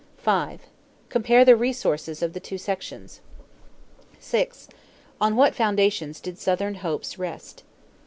5. Compare the resources of the two sections. 6. On what foundations did Southern hopes rest?